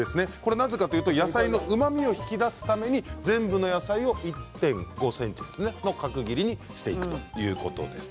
なぜかというと野菜のうまみを引き出すために全部の野菜を１．５ｃｍの角切りにしていくということです。